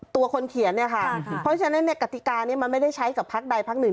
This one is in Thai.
ตัวคนเขียนเนี่ยค่ะเพราะฉะนั้นเนี่ยกติกานี้มันไม่ได้ใช้กับพักใดพักหนึ่ง